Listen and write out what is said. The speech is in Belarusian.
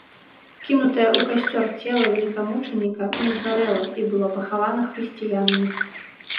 Кінутае ў касцёр цела велікамучаніка не згарэла і было пахавана хрысціянамі.